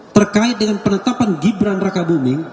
terkait dengan penetapan gibran raka buming